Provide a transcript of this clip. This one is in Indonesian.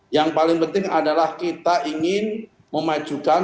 yang paling penting adalah kita ingin memajukan